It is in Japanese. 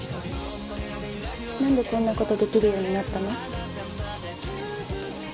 何でこんなことできるようになったの？